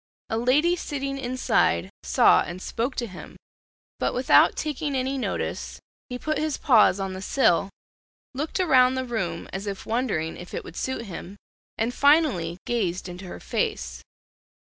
A lady sitting inside saw and spoke to him; but without taking any notice, he put his paws on the sill, looked around the room as if wondering if it would suit him, and finally gazed into her face.